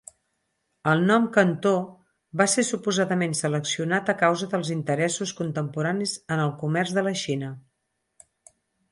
El nom Cantó va ser suposadament seleccionat a causa dels interessos contemporanis en el comerç de la Xina.